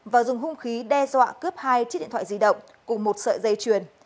và dùng hung khí đe dọa cướp hai chiếc điện thoại di động cùng một sợi dây chuyền